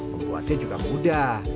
membuatnya juga mudah